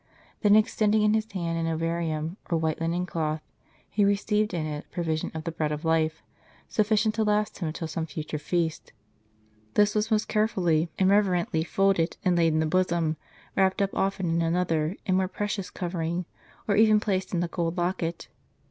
Then extending in his hand an ovarium, or white linen cloth, he received in it a provision of the Bread of Life, sufficient to last him till some future feast. This was most carefully and rev The Blessed Eucharist, in the Early Ages of the Church. 337 erently folded, and laid in the bosom, wrapped up often in another and more precious covering, or even placed in a gold locket.